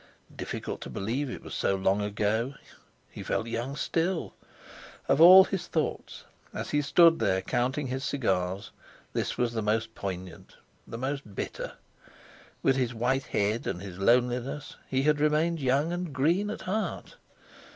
Difficult to believe it was so long ago; he felt young still! Of all his thoughts, as he stood there counting his cigars, this was the most poignant, the most bitter. With his white head and his loneliness he had remained young and green at heart.